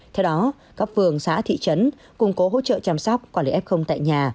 theo đó các phường xã thị trấn củng cố hỗ trợ chăm sóc quản lý f tại nhà